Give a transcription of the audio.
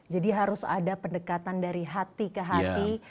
jadi harus ada pendekatan dari hati ke hati